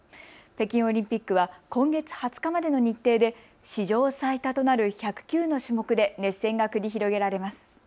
北京オリンピックは今月２０日までの日程で史上最多となる１０９の種目で熱戦が繰り広げられます。